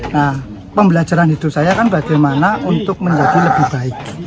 nah pembelajaran hidup saya kan bagaimana untuk menjadi lebih baik